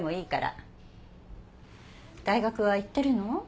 大学は行ってるの？